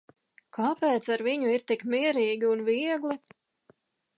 Kāpēc ar viņu ir tik mierīgi un viegli?